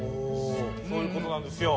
そういう事なんですよ。